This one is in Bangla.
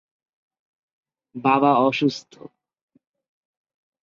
বাবা অসুস্থ।